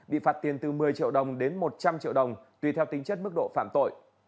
bị phạt tiền từ một mươi triệu đồng đến một trăm linh triệu đồng tùy theo tính chất mức độ phạm tội